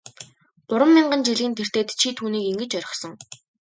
Гурван мянган жилийн тэртээд чи түүнийг ингэж орхисон.